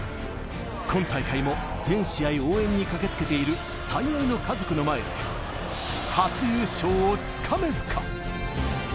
今大会も全試合応援に駆けつけている最愛の家族の前で、初優勝をつかめるか。